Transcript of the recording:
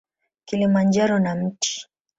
Kilimanjaro na Mt.